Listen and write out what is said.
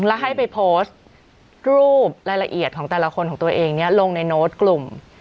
แล้วให้ไปโพสต์รูปรายละเอียดของแต่ละคนของตัวเองลงในโน้ตกลุ่ม